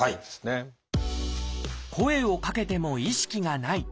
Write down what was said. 声をかけても意識がない。